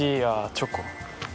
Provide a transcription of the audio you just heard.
チョコ。